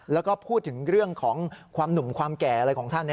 แล้วจะเอาอะไร